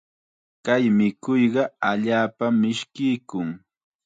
Kay mikuyqa allaapam mishkiykun.